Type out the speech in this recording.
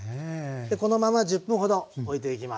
このまま１０分ほどおいていきます。